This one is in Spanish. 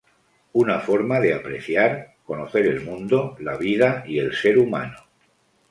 Una forma de apreciar, conocer el mundo, la vida y el ser humano.